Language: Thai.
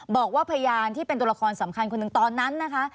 บอกว่าพยานที่เป็นตัวละครสำคัญคนหนึ่งตอนนั้นนะคะ